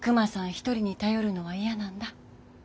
一人に頼るのは嫌なんだ。